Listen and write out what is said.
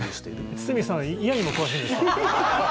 堤さん祖谷にも詳しいんですか？